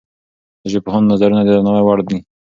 د ژبپوهانو نظرونه د درناوي وړ دي.